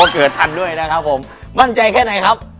เกิดทันด้วยนะครับผมมั่นใจแค่ไหนครับ